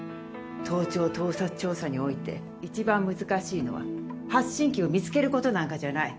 盗聴盗撮調査において一番難しいのは発信器を見つけることなんかじゃない。